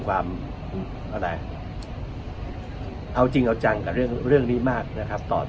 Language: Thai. เกิดให้ต่อจันทร์กับเรื่องนี้มากนะครับ